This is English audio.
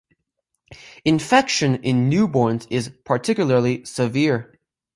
Infection in newborns is particularly severe.